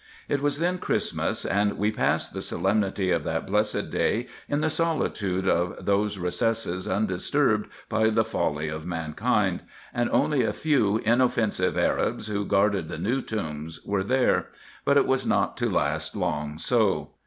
It was then Christmas, and we passed the solemnity of that blessed day in the solitude of those recesses, undisturbed by the folly of mankind ; and only a few inoffensive Arabs, who guarded the new tombs, were there *, but it was not to last long so.